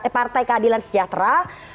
partai keadilan sejahtera